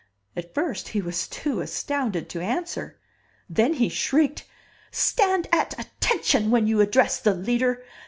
At first he was too astounded to answer, then he shrieked, "Stand at attention when you address the Leader!